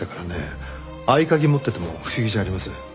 合鍵持ってても不思議じゃありません。